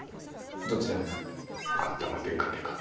どちらがですか？